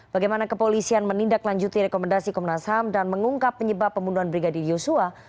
bagaimana kepolisian menindaklanjuti rekomendasi komnas ham dan mengungkap penyebab pembunuhan brigadir yosua